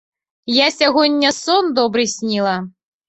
Я сягоння сон добры сніла.